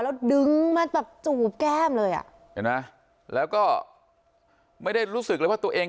แล้วดึงมาแบบจูบแก้มเลยอ่ะเห็นไหมแล้วก็ไม่ได้รู้สึกเลยว่าตัวเอง